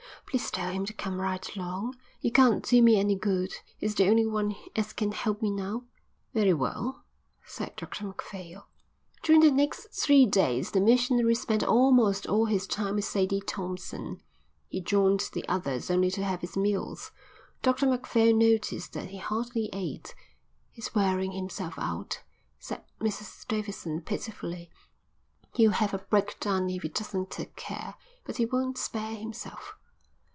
Please tell him to come right along. You can't do me any good. He's the only one as can help me now." "Very well," said Dr Macphail. During the next three days the missionary spent almost all his time with Sadie Thompson. He joined the others only to have his meals. Dr Macphail noticed that he hardly ate. "He's wearing himself out," said Mrs Davidson pitifully. "He'll have a breakdown if he doesn't take care, but he won't spare himself."